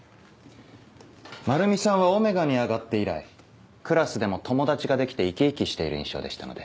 まるみさんはΩに上がって以来クラスでも友達ができて生き生きしている印象でしたので。